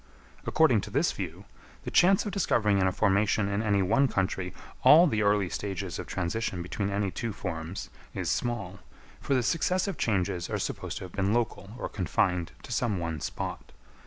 According to this view, the chance of discovering in a formation in any one country all the early stages of transition between any two forms, is small, for the successive changes are supposed to have been local or confined to some one spot.